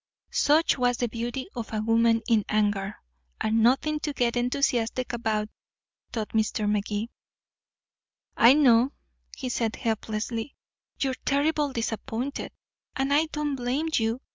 Such was the beauty of a woman in anger. And nothing to get enthusiastic about, thought Mr. Magee. "I know," he said helplessly, "you're terribly disappointed. And I don't blame you.